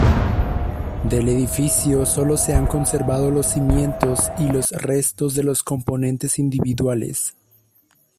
Del edificio sólo se han conservado los cimientos y restos de los componentes individuales.